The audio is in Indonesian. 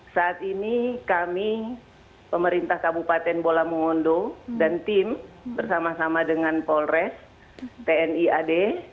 saat ini kami pemerintah kabupaten bola mongondo dan tim bersama sama dengan polres tni ad